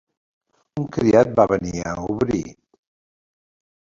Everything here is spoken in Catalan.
Un criat va venir a obrir.